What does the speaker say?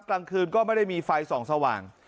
กลางคืนก็ไม่ได้มีไฟส่องสว่าง